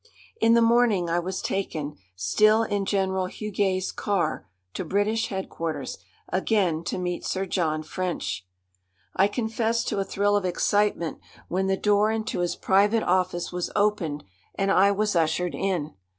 In the morning I was taken, still in General Huguet's car, to British Headquarters again, to meet Sir John French. I confess to a thrill of excitement when the door into his private office was opened and I was ushered in.